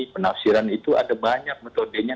penafsiran itu ada banyak metodenya